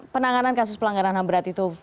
penanganan kasus pelanggaran ham berat itu